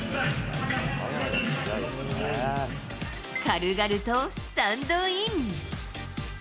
軽々とスタンドイン。